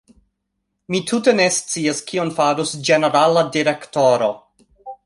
Mi tute ne scias kion farus ĝenerala direktoro.